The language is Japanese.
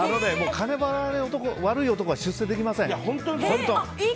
金払いが悪い男は出世できません。